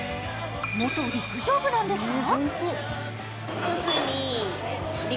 元陸上部なんですか？